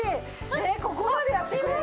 えっここまでやってくれるの？